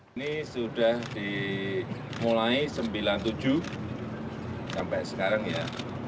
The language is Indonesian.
ini sudah dimulai sembilan puluh tujuh sampai sekarang ya